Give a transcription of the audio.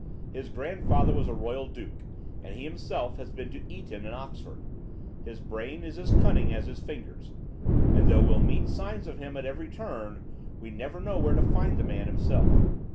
His grandfather was a royal duke, and he himself has been to Eton and Oxford. His brain is as cunning as his fingers, and though we meet signs of him at every turn, we never know where to find the man himself.